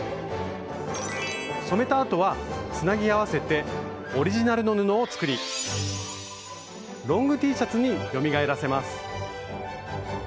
染めたあとはつなぎ合わせて「オリジナルの布」を作りロングＴシャツによみがえらせます。